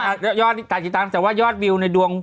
อ้าาาแต่ยอดวิวแต่ว่ายอดวิวในดวง